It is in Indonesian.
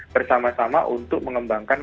bersama sama untuk mengembangkan